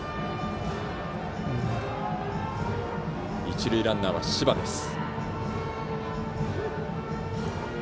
一塁ランナーは柴です。